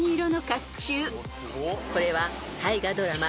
［これは大河ドラマ